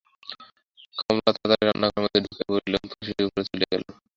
কমলা তাড়াতাড়ি রান্নাঘরের মধ্যে ঢুকিয়া পড়িল এবং তুলসী উপরে চলিয়া গেল।